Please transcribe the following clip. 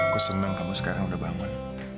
aku senang kamu sekarang udah bangun